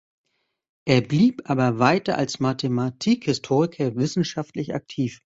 Er blieb aber weiter als Mathematikhistoriker wissenschaftlich aktiv.